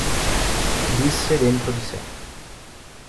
Disse dentro di sé.